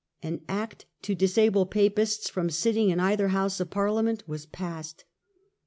An act to disable Papists from sitting in either house of Parliament was passed.